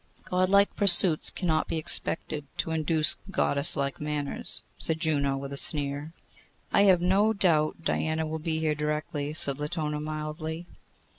'Godlike pursuits cannot be expected to induce Goddess like manners,' said Juno, with a sneer. 'I have no doubt Diana will be here directly,' said Latona, mildly.